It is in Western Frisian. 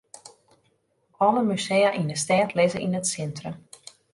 Alle musea yn 'e stêd lizze yn it sintrum.